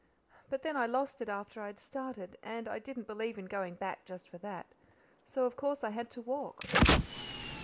But then I lost it after I had started, and I didn't believe in going back just for that, so, of course, I had to walk."